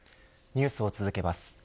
ニュースを続けます。